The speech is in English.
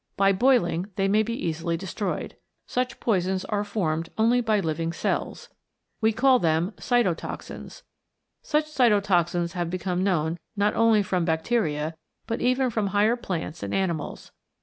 By boiling they may be easily destroyed. Such poisons are formed only by living cells. We call them Cytotoxins. Such cytotoxins have become known not only from bacteria, but even from higher plants and animals.